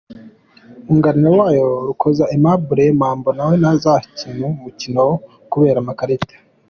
Myugariro wayo, Rucogoza Aimable “Mambo” nawe ntazakina uyu mukino kubera amakarita.